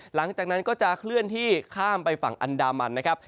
หลังจากนั้นก็จะเคลื่อนที่ข้ามไปฝั่งอันดามันนะครับ